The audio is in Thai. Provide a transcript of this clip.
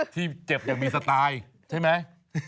ที่เจ็บอย่างมีสไตล์ใช่ไหม